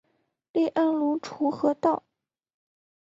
隶安庐滁和道。